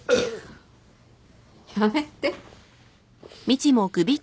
やめて。